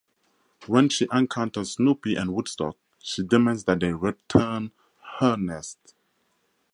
When she encounters Snoopy and Woodstock, she demands that they return "her" nest.